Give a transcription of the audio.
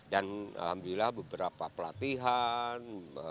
dan alhamdulillah beberapa pelatihan